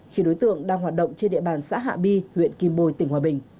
khi đối tượng đang hoạt động trên địa bàn xã hạ bi huyện kim bồi tỉnh hòa bình